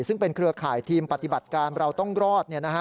ซึ่งเป็นเครือข่ายทีมปฏิบัติการเราต้องรอด